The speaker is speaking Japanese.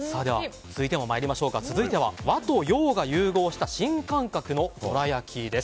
続いては和と洋が融合した新感覚のどら焼きです。